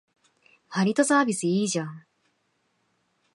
わりとサービスいいじゃん